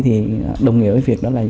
thì đồng nghĩa với việc đó là